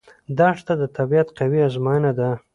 دښته د طبیعت قوي ازموینه ده.